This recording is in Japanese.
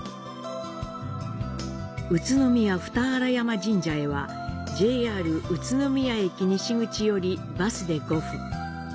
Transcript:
宇都宮二荒山神社へは、ＪＲ宇都宮駅西口よりバスで５分。